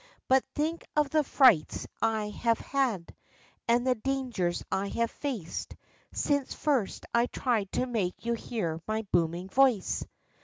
But think of the frights I haA^e had, and the dangers I have faced, since first I tried to make you hear my booming voice